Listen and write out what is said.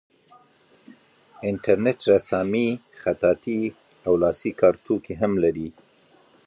انټرنیټ رسامي خطاطي او لاسي کار ټولګي هم لري.